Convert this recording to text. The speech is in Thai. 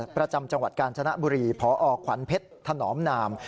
ประจำจังหวัดกาญจนบุรีพอขวัญเพชรถนอมนาม